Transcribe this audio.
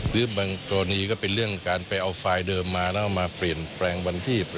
หรือบางกรณีก็เป็นเรื่องการไปเอาไฟล์เดิมมาแล้วเอามาเปลี่ยนแปลงวันที่